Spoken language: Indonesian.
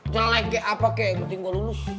jelek kayak apa kayak yang penting gue lulus